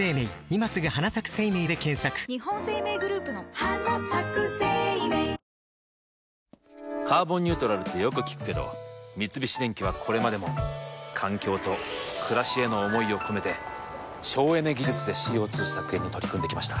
新「アタックＺＥＲＯ」「カーボンニュートラル」ってよく聞くけど三菱電機はこれまでも環境と暮らしへの思いを込めて省エネ技術でＣＯ２削減に取り組んできました。